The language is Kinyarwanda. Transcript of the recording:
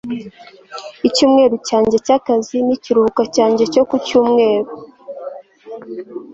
Icyumweru cyanjye cyakazi nikiruhuko cyanjye cyo ku cyumweru